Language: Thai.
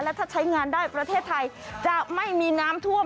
ถ้าใช้งานได้ประเทศไทยจะไม่มีน้ำท่วม